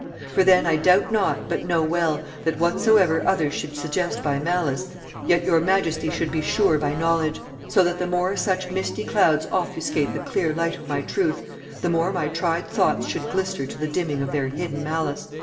For then I doubt not, but know well, that whatsoever others should suggest by malice, yet your majesty should be sure by knowledge; so that the more such misty clouds offuscate the clear light of my truth, the more my tried thoughts should glister to the dimming of their hidden malice."